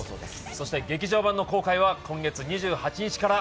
そして、劇場版の公開は今月２８日から。